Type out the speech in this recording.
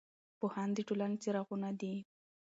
پوهان د ټولنې څراغونه دي.